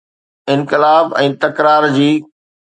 انقلاب ۽ تڪرار جي.